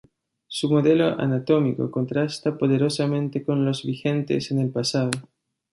Su modelo anatómico contrasta poderosamente con los vigentes en el pasado.